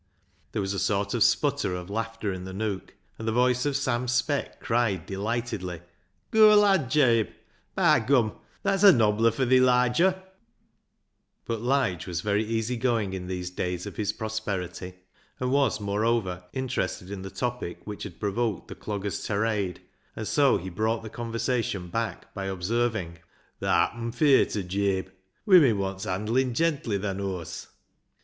There was a sort of sputter of laughter in the nook, and the voice of Sam Speck cried deh'ghtedly —" Goo' lad, Jabe ! By gum — that's a nobbier fur thee, Liger !" But Lige was very easy going in these days of his prosperity, and was, moreover, interested in the topic which had provoked the dogger's tirade, and so he brought the conversation back by observing —" Thaa happen feart her, Jabe. Women wants handlin' gently, thaa knows."